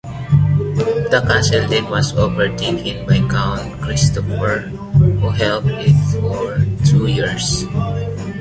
The castle then was overtaken by Count Christoffer, who held it for two years.